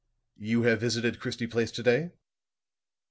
"You have visited Christie Place to day?"